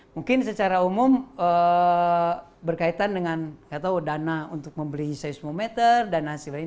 mungkin secara umum berkaitan dengan dana untuk membeli seismometer dan hasil lain